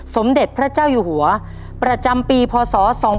สมเด็จพระเจ้าอยู่หัวประจำปีพศ๒๕๖